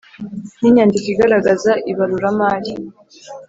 n inyandiko igaragaza ibaruramari